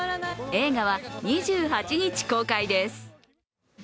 映画は２８日公開です。